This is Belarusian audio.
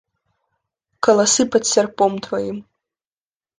Каласы пад сярпом тваім.